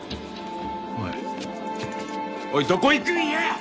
おいおいどこ行くんや！